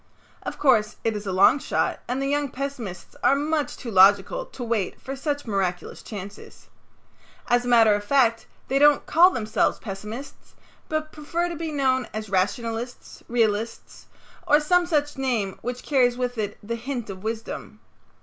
Of course, it is a long shot and the young pessimists are much too logical to wait for such miraculous chances. As a matter of fact, they don't call themselves pessimists, but prefer to be known as rationalists, realists, or some such name which carries with it the hint of wisdom.